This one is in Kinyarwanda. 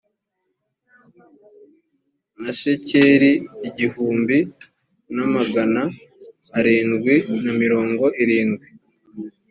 na shekeli igihumbi na magana arindwi na mirongo irindwi